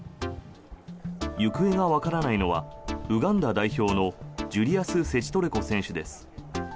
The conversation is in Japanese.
行方がわからないのはウガンダ代表のジュリアス・セチトレコ選手です。